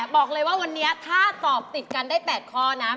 บอกเลยว่าวันนี้ถ้าตอบติดกันได้๘ข้อนะ